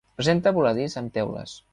Presenta voladís amb teules.